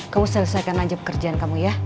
kamu selesaikan aja pekerjaan kamu ya